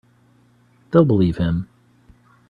They'll believe him.